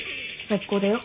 最高だよ。